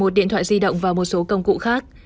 một mươi một điện thoại di động và một số công cụ khác